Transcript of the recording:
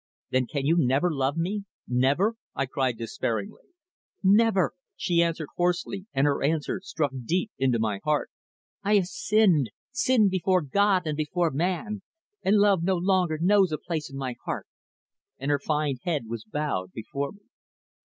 "Then can you never love me never?" I cried despairingly. "Never," she answered hoarsely, and her answer struck deep into my heart. "I have sinned sinned before God and before man and love no longer knows a place in my heart," and her fine head was bowed before me.